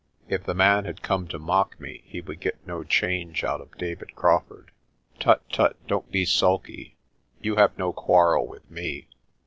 If the man had come to mock me, he would get no change out of David Crawfurd. "Tut, tut, don't be sulky. You have no quarrel with me.